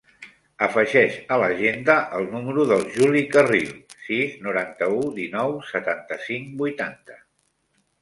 Afegeix a l'agenda el número del Juli Carril: sis, noranta-u, dinou, setanta-cinc, vuitanta.